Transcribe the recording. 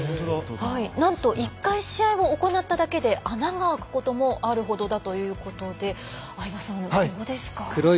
なんと１回試合を行っただけで穴が開くこともあるほどだということで相葉さん、どうですか。